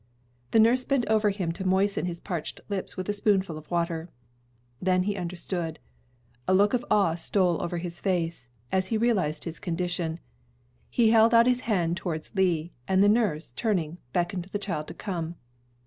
The nurse bent over him to moisten his parched lips with a spoonful of water. Then he understood. A look of awe stole over his face, as he realized his condition. He held his hand out towards Lee, and the nurse, turning, beckoned the child to come.